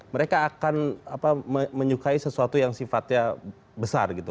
mereka akan menyukai sesuatu yang sifatnya besar gitu